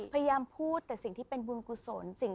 พยายามพูดแต่สิ่งที่เป็นบุญกุศล